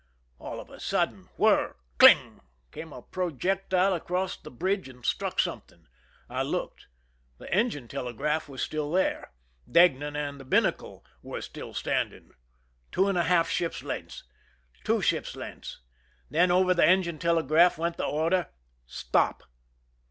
All of a sudden, whir! cling! came a projectile across the bridge and struck something. I looked. The engine telegraph was still there. Deignan and the binnacle were still standing. Two and a half ships' lengths! Two ships' lengths! Then over the engine telegraph went the order: "Stop."